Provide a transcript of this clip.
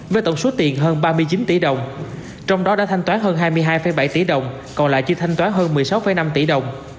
với tổng số tiền hơn ba mươi chín tỷ đồng trong đó đã thanh toán hơn hai mươi hai bảy tỷ đồng còn lại chưa thanh toán hơn một mươi sáu năm tỷ đồng